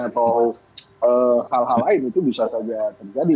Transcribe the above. atau hal hal lain itu bisa saja terjadi